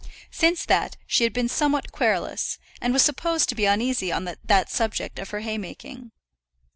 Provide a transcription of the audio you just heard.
Since that she had become somewhat querulous, and was supposed to be uneasy on that subject of her haymaking.